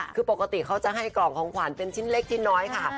คือปกติเขาจะให้กล่องของขวัญเป็นชิ้นเล็กชิ้นน้อยค่ะ